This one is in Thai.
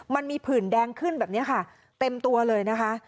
มันมีผื่นแดงขึ้นแบบนี้ค่ะเต็มตัวเลยนะคะ